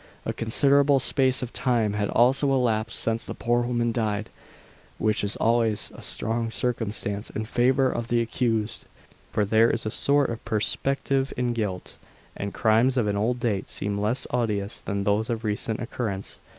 A considerable space of time had also elapsed since the poor woman died, which is always a strong circumstance in favour of the accused; for there is a sort of perspective in guilt, and crimes of an old date seem less odious than those of recent occurrence.